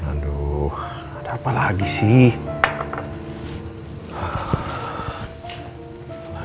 aduh ada apa lagi sih